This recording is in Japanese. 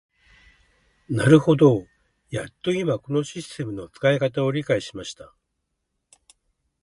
なるほど、やっと今このシステムの使い方を理解しました。